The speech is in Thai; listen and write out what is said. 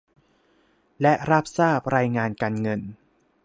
และรับทราบรายงานการเงิน